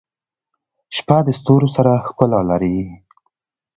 • شپه د ستورو سره ښکلا لري.